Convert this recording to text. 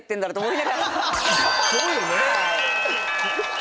そうよね。